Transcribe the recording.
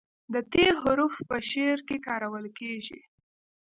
د "ت" حرف په شعر کې کارول کیږي.